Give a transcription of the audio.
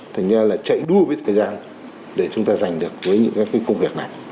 thành ra là chạy đua với thời gian để chúng ta giành được với những cái công việc này